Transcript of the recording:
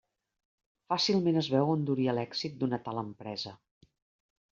Fàcilment es veu on duria l'èxit d'una tal empresa.